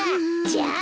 じゃあ。